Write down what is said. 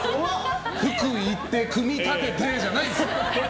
福井行って組み立ててじゃないんですよ。